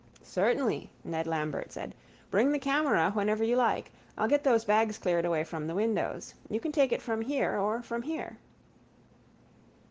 —Certainly, Ned Lambert said. Bring the camera whenever you like. I'll get those bags cleared away from the windows. You can take it from here or from here.